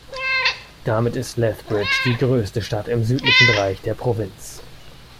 Damit ist Lethbridge die größte Stadt im südlichen Bereich der Provinz.